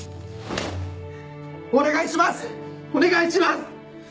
お願いします！